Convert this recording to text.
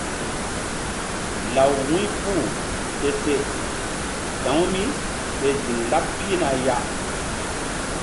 Law wu̧y puh se se sa̧w mí ke ziŋ laɓ pihna ya.